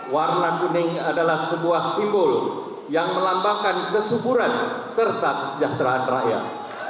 warna kuning adalah sebuah simbol yang melambangkan kesuburan serta kesejahteraan rakyat